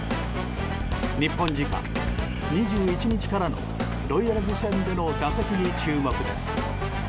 日本時間２１日からのロイヤルズ戦の打席に注目です。